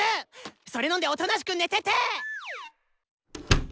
それ飲んでおとなしく寝てて！